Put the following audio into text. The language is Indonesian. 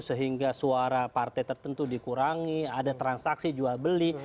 sehingga suara partai tertentu dikurangi ada transaksi jual beli